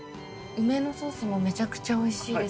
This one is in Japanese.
梅のソースもめちゃくちゃおいしいです。